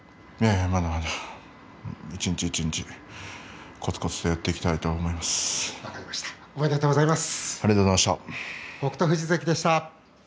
まだまだ一日一日こつこつとやっていきたいとおめでとうございます。